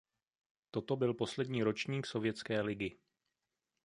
Toto byl poslední ročník Sovětské ligy.